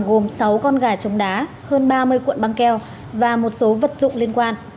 gồm sáu con gà chống đá hơn ba mươi cuộn băng keo và một số vật dụng liên quan